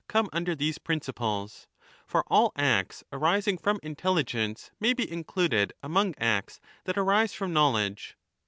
1214^ ETHICA P:UDEMIA come under these principles — for all acts arising from tntelli 30 gence may be included among acts that arise from knowledge.